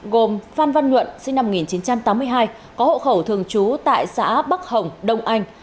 gồm phan văn nhuận sinh năm một nghìn chín trăm tám mươi hai có hộ khẩu thường trú tại xã bắc hồng đông anh